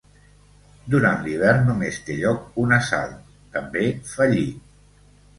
Durant l'hivern només té lloc un assalt, també fallit.